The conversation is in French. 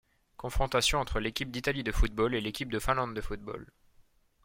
Confrontations entre l'équipe d'Italie de football et l'équipe de Finlande de football.